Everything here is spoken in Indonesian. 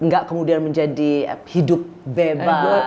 nggak kemudian menjadi hidup bebas